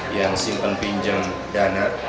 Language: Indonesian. yang simpan pinjem dana